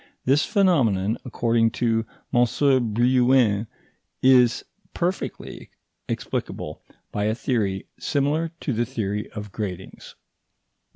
This phenomenon, according to M. Brillouin, is perfectly explicable by a theory similar to the theory of gratings.